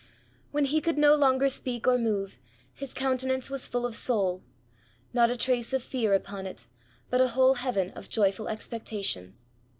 When he could no longer speak or move, his countenance was full of soul ; not a trace of fear upon it, but a whole heaven of joyful expectation.